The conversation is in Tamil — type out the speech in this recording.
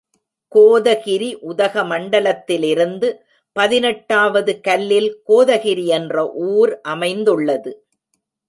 கோதகிரி உதகமண்டலத்திலிருந்து பதினெட்டு ஆவது கல்லில் கோதகிரி என்ற ஊர் அமைந்துள்ளது.